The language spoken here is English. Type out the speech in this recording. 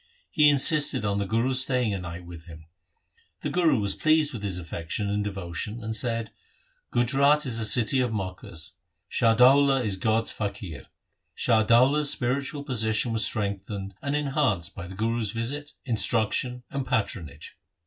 He insisted on the Guru staying a night with him. The Guru was pleased with his affection and devotion and said, ' Gujrat is a city of mockers. Shah Daula is God's faqir.' Shah Daula's spiritual position was strengthened and enhanced by the Guru's visit, instruction and patronage.